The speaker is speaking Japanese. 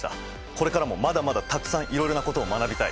これからもまだまだたくさんいろいろなことを学びたい。